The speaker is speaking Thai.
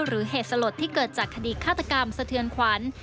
เหตุสลดที่เกิดจากคดีฆาตกรรมสะเทือนขวัญ